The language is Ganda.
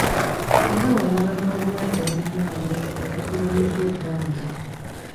Nga walaba n'obulwadde munnange obukulumidde ebbanga.